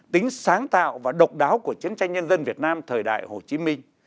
tính sáng tạo và độc đáo của chiến tranh nhân dân việt nam thời đại hồ chí minh